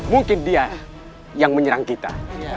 mungkin dia yang menyerang kita